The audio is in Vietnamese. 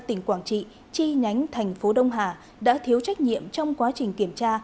tỉnh quảng trị chi nhánh thành phố đông hà đã thiếu trách nhiệm trong quá trình kiểm tra